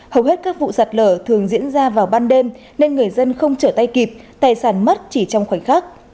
hầu hết các vụ sạt lở thường diễn ra vào ban đêm nên người dân không chở tay kịp tài sản mất chỉ trong khoảnh khắc